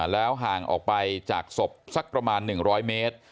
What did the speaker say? แล้วห่างออกไปจากศพสักประมาณ๑๐๐เมตร